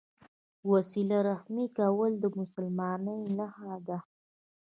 وسیله رحمي کول د مسلمانۍ نښه ده.